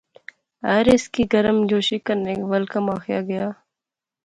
ہر ہیس کی گرمجوشی کنے ویل کم آخیا گیا